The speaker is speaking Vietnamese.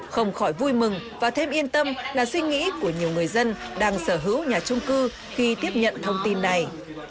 không khỏi vui mừng và thêm yên tâm là suy nghĩ của nhiều người dân đang sở hữu nhà trung cư khi tiếp nhận thông tin này